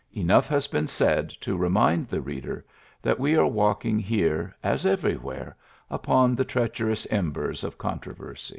Enough has been said to re mind the reader that we are walking here, as everywhere, upon the treacher ous embers of controversy.